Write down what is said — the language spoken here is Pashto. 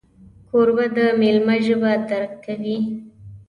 کوربه د میلمه ژبه درک کوي.